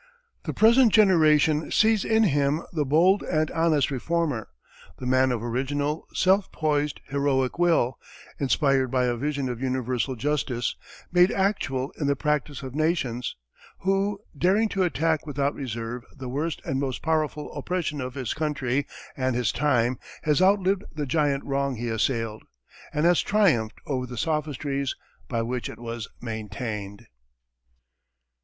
The present generation sees in him the bold and honest reformer, the man of original, self poised, heroic will, inspired by a vision of universal justice, made actual in the practice of nations; who, daring to attack without reserve the worst and most powerful oppression of his country and his time, has outlived the giant wrong he assailed, and has triumphed over the sophistries by which it was maintained."